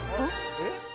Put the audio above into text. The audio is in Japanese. えっ？